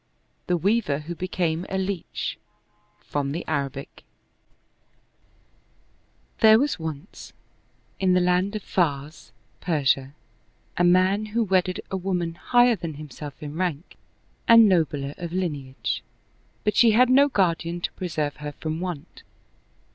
The Wea\)er Who Became a Leach From the Arabic T*HERE was once, in the land of Pars (Persia), a man who wedded a woman higher than himself in rank and nobler of lineage, but she had no guardian to preserve her from want.